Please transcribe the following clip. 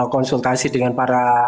konsultasi dengan para